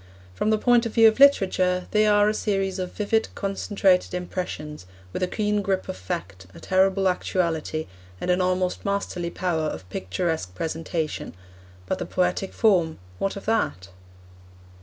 From the point of view of literature, they are a series of vivid, concentrated impressions, with a keen grip of fact, a terrible actuality, and an almost masterly power of picturesque presentation. But the poetic form what of that?